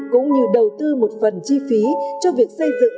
cũng như đầu tư một phần chi phí cho việc xây dựng